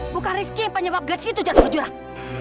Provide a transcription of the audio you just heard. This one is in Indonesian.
bukan rizky yang penyebab gadis itu jatuh ke jurang